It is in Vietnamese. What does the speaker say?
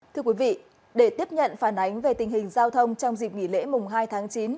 thưa quý vị để tiếp nhận phản ánh về tình hình giao thông trong dịp nghỉ lễ mùng hai tháng chín